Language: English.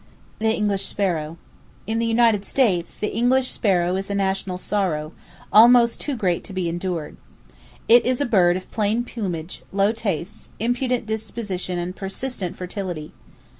The English Sparrow. —In the United States, the English sparrow is a national sorrow, almost too great to be endured. It is a bird of plain plumage, low tastes, impudent disposition and persistent fertility.